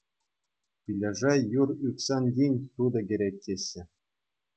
Пилеше юр ӳксен тин тутӑ кӗрет, теҫҫӗ.